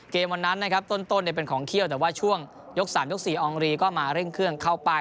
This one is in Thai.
วันนั้นนะครับต้นเป็นของเขี้ยวแต่ว่าช่วงยก๓ยก๔อองรีก็มาเร่งเครื่องเข้าไป